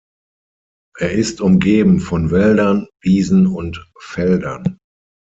Er ist umgeben von Wäldern, Wiesen und Feldern.